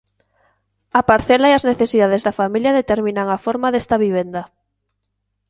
A parcela e as necesidades da familia determinan a forma desta vivenda.